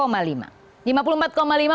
bandung dengan skor lima puluh empat lima